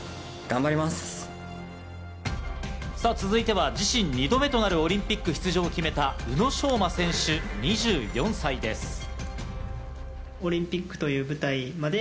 続いては自身２度目となるオリンピック出場を決めた宇野昌磨選手、２４歳です。